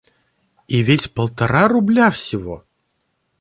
И ведь полтора рубля всего...